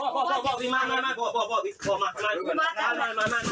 เขานำมาปตา